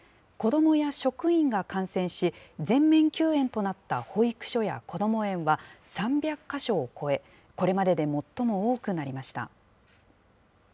子どもや職員が感染し、全面休園となった保育所やこども園は３００か所を超え、これまでで最も多くなりました。